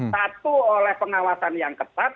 satu oleh pengawasan